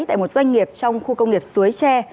tại một doanh nghiệp trong khu công nghiệp suối tre